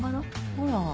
ほら。